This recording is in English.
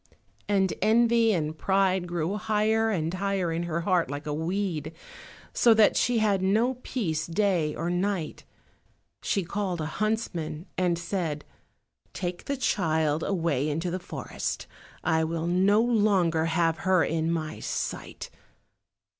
And envy and pride grew higher and higher in her heart like a weed, so that she had no peace day or night. She called a huntsman, and said, "Take the child away into the forest; I will no longer have her in my sight.